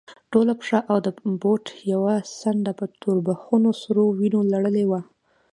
ټوله پښه او د بوټ يوه څنډه په توربخونو سرو وينو لړلې وه.